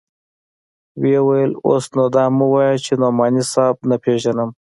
ويې ويل اوس نو دا مه وايه چې نعماني صاحب نه پېژنم.